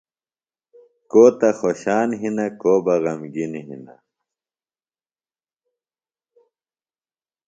کو تہ خوشان ہِنہ کو بہ غمگِین ہِنہ۔